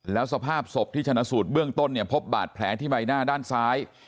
แล้วสภาพศพที่ชนะสูตรเบื้องต้นเนี่ยพบบาดแผลที่ใบหน้าด้านซ้าย